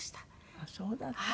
あっそうだったの。